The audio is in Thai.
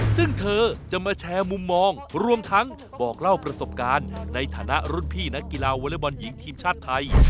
ซึ่งเธอจะมาแชร์มุมมองรวมทั้งบอกเล่าประสบการณ์ในฐานะรุ่นพี่นักกีฬาวอเล็กบอลหญิงทีมชาติไทย